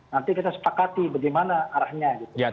nanti kita sepakati bagaimana arahnya